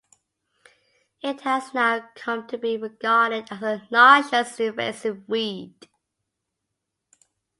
It has now come to be regarded as a noxious, invasive weed.